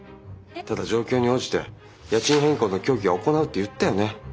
ただ状況に応じて家賃変更の協議を行うって言ったよね。